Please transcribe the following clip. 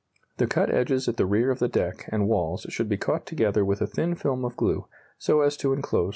The cut edges at the rear of the deck and walls should be caught together with a thin film of glue, so as to enclose the rear threads.